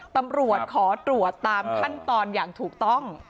ตำรวจขอตรวจตามขั้นตอนอย่างถูกต้อง